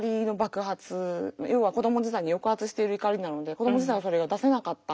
要は子ども時代に抑圧している怒りなので子ども時代はそれが出せなかった。